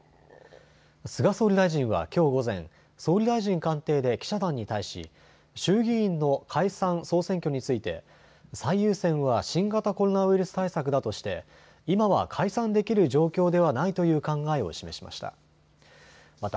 菅総理大臣はきょう午前、総理大臣官邸で記者団に対し衆議院の解散・総選挙について最優先は新型コロナウイルス対策だとして今は解散できる状況ではないという考えを示しました。